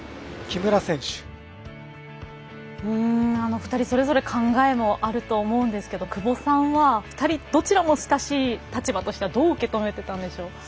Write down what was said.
２人それぞれ考えもあると思うんですけれど久保さんは２人どちらも親しい立場としてどう受け止めましたか。